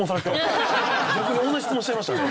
逆に同じ質問しちゃいましたね。